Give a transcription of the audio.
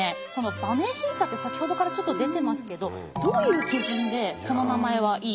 馬名審査って先ほどからちょっと出てますけどどういう基準でこの名前はいい